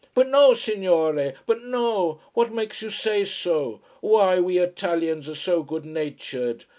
"But no, signore. But no. What makes you say so? Why, we Italians are so good natured.